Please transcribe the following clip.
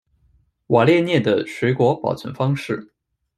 瓦列涅的水果保存方式。